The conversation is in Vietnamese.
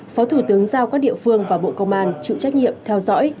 phó thủ tướng giao các địa phương và bộ công an chịu trách nhiệm theo dõi